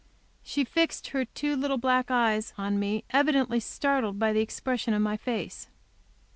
She fixed her two little black eyes on me, evidently startled by the expression of my face.